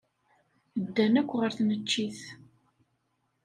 Ddan akk ɣer tneččit.